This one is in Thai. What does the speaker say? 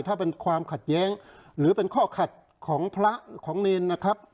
ถ้าเป็นความขัดแย้งหรือเป็นข้อขัดของพระของเนรนะครับ